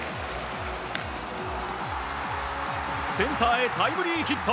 センターへタイムリーヒット！